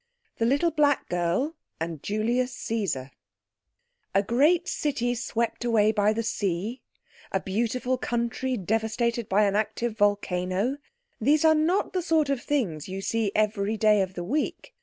THE LITTLE BLACK GIRL AND JULIUS CAESAR A great city swept away by the sea, a beautiful country devastated by an active volcano—these are not the sort of things you see every day of the week.